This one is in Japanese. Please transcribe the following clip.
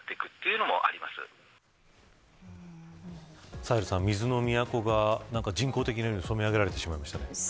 サヘルさん、水の都が人工的な色に染め上げられてしまいました。